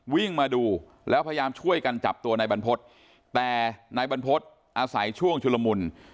วิ่งมาดูแล้วพยายามช่วยกันจับตัวนายบรรพฤษแต่นายบรรพฤษอาศัยช่วงชุลมุน